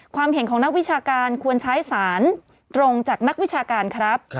เห็นของนักวิชาการควรใช้สารตรงจากนักวิชาการครับ